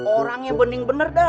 orangnya bening bener deh